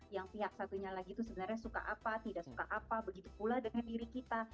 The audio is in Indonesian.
yang pihak satunya lagi itu sebenarnya suka apa tidak suka apa begitu pula dengan diri kita